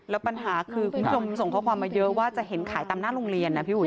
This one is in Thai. แล้วปัญหาคือคุณผู้ชมส่งข้อความมาเยอะว่าจะเห็นขายตามหน้าโรงเรียนนะพี่อุ๋